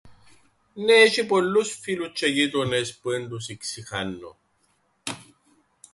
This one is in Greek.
Νναι, έσ̆ει πολλούς φίλους τζ̆αι γείτονες που εν τους ι-ξιχάννω.